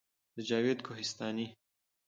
د جاوید کوهستاني